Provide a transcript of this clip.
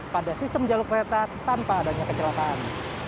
pada sistem jalur kereta tanpa adanya kecelakaan